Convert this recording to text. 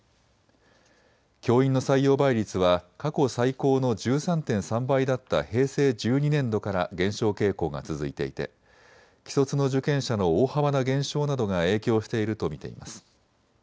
教員の採用倍率は過去最高の１３．３倍だった平成１２年度から減少傾向が続いていて既卒の受験者の大幅な減少などが影響していると見ています。